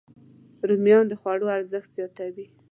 رومیان د خوړو ارزښت زیاتوي